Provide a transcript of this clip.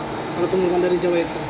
kalau penungguan dari jawa itu